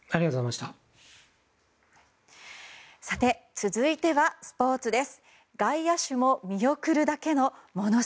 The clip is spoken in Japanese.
続いては、スポーツです。